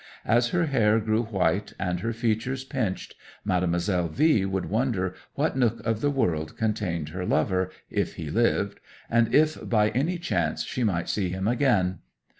As her hair grew white, and her features pinched, Mademoiselle V would wonder what nook of the world contained her lover, if he lived, and if by any chance she might see him again.